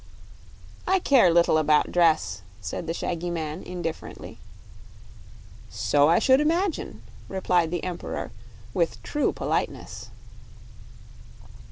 "I care little about dress," said the shaggy man, indifferently. "So I should imagine," replied the Emperor, with true politeness.